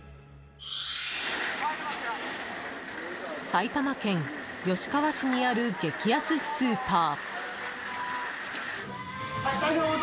埼玉県吉川市にある激安スーパー。